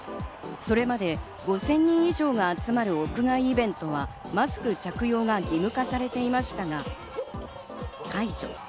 それまで５０００人以上が集まる屋外イベントはマスク着用が義務化されていましたが解除。